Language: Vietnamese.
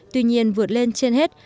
tuy nhiên vượt lên trên hết